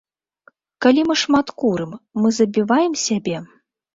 Калі мы шмат курым, мы забіваем сябе?